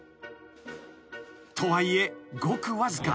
［とはいえごくわずか］